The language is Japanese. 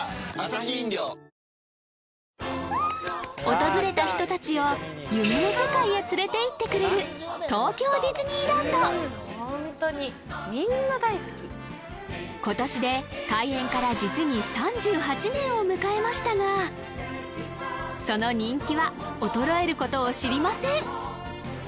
訪れた人達を夢の世界へ連れていってくれる今年で開園から実に３８年を迎えましたがその人気は衰えることを知りません！